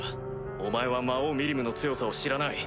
お前は魔王ミリムの強さを知らない。